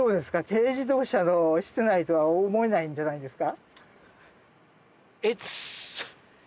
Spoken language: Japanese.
軽自動車の室内とは思えないんじゃないですか？